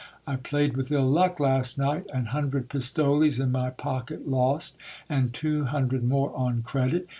I played with ill luck last night, an hundred pistoles in my pocket lost, and two hundred more on credit.